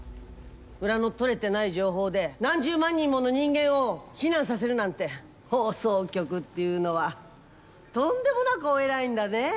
裏の取れてない情報で何十万人もの人間を避難させるなんて放送局っていうのはとんでもなくお偉いんだねえ。